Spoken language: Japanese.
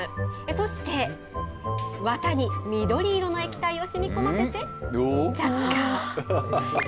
そして、綿に緑色の液体をしみこませて着火。